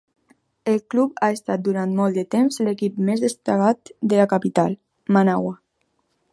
El club ha estat durant molt de temps l'equip més destacat de la capital, Managua.